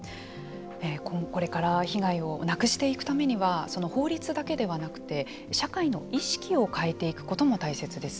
これから被害をなくしていくためには法律だけではなくて社会の意識を変えていくことも大切です。